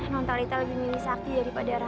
nontalita lebih milih sakti daripada